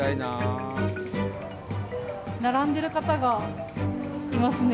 並んでる方がいますね。